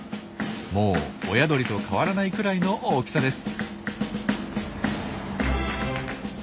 もう親鳥と変わらないくらいの大きさです。